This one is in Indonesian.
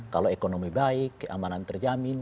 kalau ekonomi baik keamanan terjamin